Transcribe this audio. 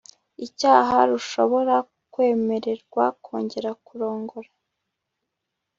icyaha' rushobora kwemererwa kongera kurongora